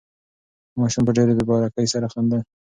ماشوم په ډېرې بې باکۍ سره خندل.